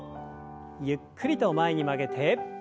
ゆっくりと前に曲げて。